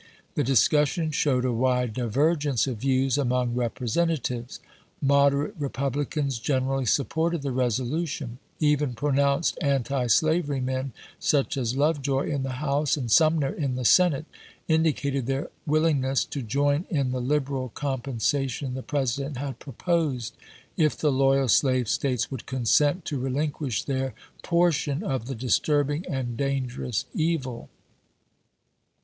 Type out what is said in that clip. The dis cussion showed a wide divergence of views among Representatives. Moderate Republicans generally supported the resolution; even pronounced anti slavery men, such as Lovejoy in the House and Sumner in the Senate, indicated their willingness to join in the liberal compensation the President had proposed, if the loyal slave States would consent to relinquish their portion of the disturbing and dan gerous evil.